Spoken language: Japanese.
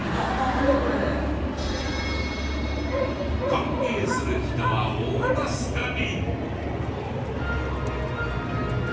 関係する人は大助かり。